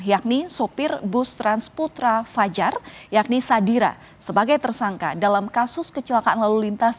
yakni sopir bus transputra fajar yakni sadira sebagai tersangka dalam kasus kecelakaan lalu lintas